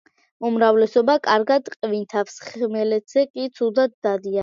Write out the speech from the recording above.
უმრავლესობა კარგად ყვინთავს, ხმელეთზე კი ცუდად დადიან.